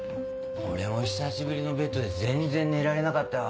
俺も久しぶりのベッドで全然寝られなかったわ。